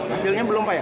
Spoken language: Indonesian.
hasilnya belum pak ya